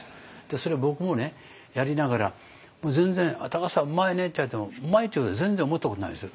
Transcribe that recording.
それ僕もやりながら全然「田さんうまいね」って言われてもうまいというふうに全然思ったことないですよ。